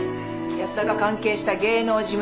安田が関係した芸能事務所